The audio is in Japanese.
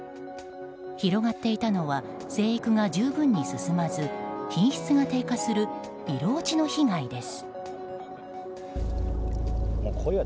広がっていたのは生育が十分に進まず品質が低下する色落ちの被害です。